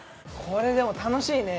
これでも楽しいね。